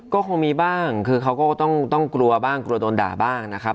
ก็คงมีบ้างคือเขาก็ต้องกลัวบ้างกลัวโดนด่าบ้างนะครับ